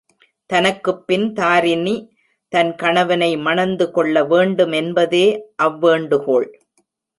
தனக்குப்பின் தாரிணி தன் கணவனை மணந்துகொள்ள வேண்டுமென்பதே அவ்வேண்டுகோள்.